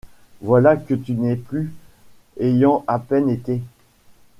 Voilà que tu n’es plus, ayant à peine été!